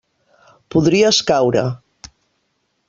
Podries caure.